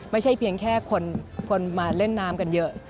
ไม่ใช่เพียงแค่คนมาเล่นน้ำกันเยอะ